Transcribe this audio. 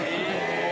え！